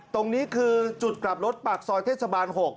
ตรงนี้คือจุดกลับรถปากซอยเทศบาล๖